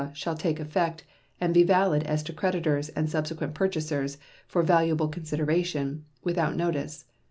shall take effect and be valid as to creditors and subsequent purchasers for valuable consideration without notice.